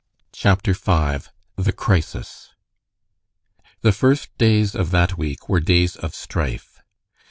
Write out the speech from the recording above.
CHAPTER V THE CRISIS The first days of that week were days of strife.